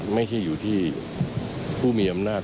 ไม่ใช่อยู่ที่ผู้มีอำนาจ